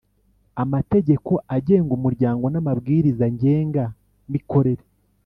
Amategeko agenga umuryango n’amabwiriza ngenga mikorere